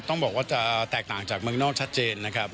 ต้องบอกว่าจะแตกต่างจากเมืองนอกชัดเจนนะครับ